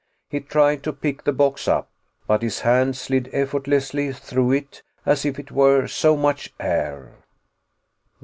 He tried to pick the box up, but his hand slid effortlessly through it as if it were so much air.